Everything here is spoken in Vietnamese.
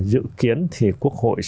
dự kiến thì quốc hội sẽ